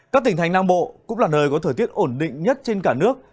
các tỉnh thành nam bộ cũng là nơi có thời tiết ổn định nhất trên cả nước